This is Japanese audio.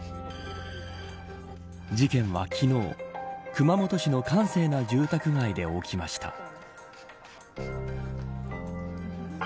事件は昨日熊本市の閑静な住宅街で起きました。